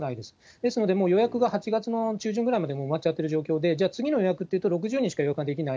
ですから、予約が８月の中旬ぐらいまで埋まっちゃってる状況で、次の予約っていうと、６０人しか予約ができない。